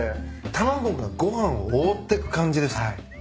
卵がご飯を覆っていく感じです。